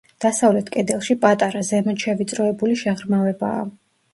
დასავლეთ კედელში პატარა, ზემოთ შევიწროებული შეღრმავებაა.